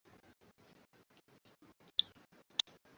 kati ya maeneo ambayo yaliathirika sana na vita baina ya nchi hizo